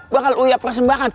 bakal uya persembahan